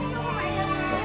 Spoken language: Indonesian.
mau main main sama gue